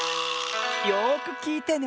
よくきいてね。